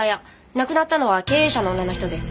亡くなったのは経営者の女の人です。